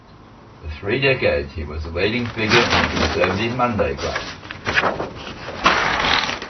For three decades, he was a leading figure in the Conservative Monday Club.